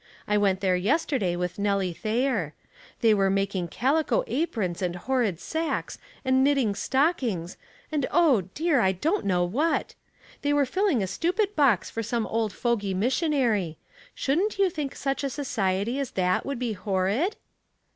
I went there yesterday with Nellie Thayer. They are making calico aprons and horrid sacks, and knitting stockings — and, oh, dear! I don't know what. They are filling a stupid box for somo old fogy missionary. Shouldn't you think such a society as that would be horrid